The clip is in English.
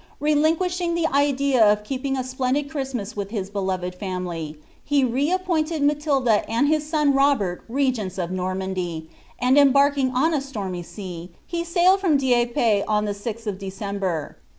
Helinquiahing the idea of nifiuig a splendid Christmas with his beloved family, he re appoinied ■■dld& anij his son Robert regents of Normandy, and embarking on a >mD7 SM, he sailed from Dieppe on the Olh of December.